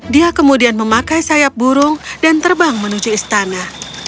dia kemudian memakai sayap burung dan terbang menuju istana